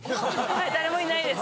誰もいないです。